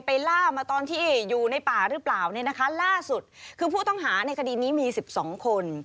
ล่ามาตอนที่อยู่ในป่าหรือเปล่าเนี่ยนะคะล่าสุดคือผู้ต้องหาในคดีนี้มี๑๒คน